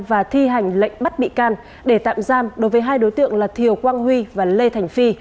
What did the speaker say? và thi hành lệnh bắt bị can để tạm giam đối với hai đối tượng là thiều quang huy và lê thành phi